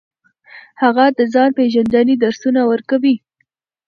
هغه د ځان پیژندنې درسونه ورکوي.